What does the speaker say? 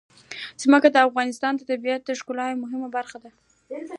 ځمکه د افغانستان د طبیعت د ښکلا یوه مهمه برخه ده.